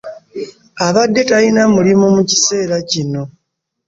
Abadde talina mulimu mu kiseera kino.